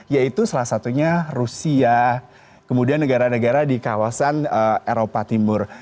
yaitu salah satunya rusia kemudian negara negara di kawasan eropa timur